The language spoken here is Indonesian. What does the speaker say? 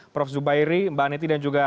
prof zubairi mbak neti dan juga